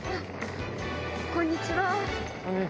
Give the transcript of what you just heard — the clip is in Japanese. こんにちは。